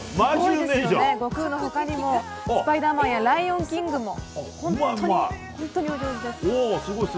悟空の他にも「スパイダーマン」や「ライオン・キング」も本当に、お上手です。